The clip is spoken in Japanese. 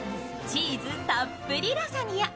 チーズたっぷりラザニア。